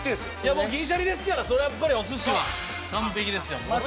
もう銀シャリですからそりゃやっぱりお寿司は完璧ですよ